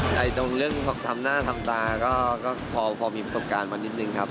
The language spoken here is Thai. ตรงเรื่องทำหน้าทำตาก็พอมีประสบการณ์มานิดนึงครับ